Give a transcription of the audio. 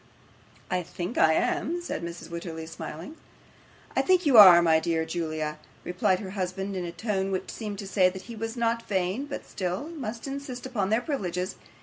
'I THINK I am,' said Mrs. Wititterly, smiling. 'I think you are, my dear Julia,' replied her husband, in a tone which seemed to say that he was not vain, but still must insist upon their privileges.